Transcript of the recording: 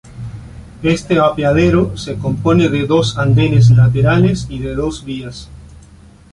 Este apeadero se compone de dos andenes laterales y de dos vías.